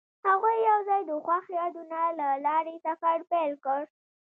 هغوی یوځای د خوښ یادونه له لارې سفر پیل کړ.